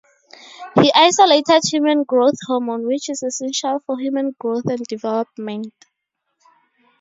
He isolated Human Growth Hormone, which is essential for human growth and development.